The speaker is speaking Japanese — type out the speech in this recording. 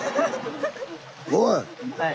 おい！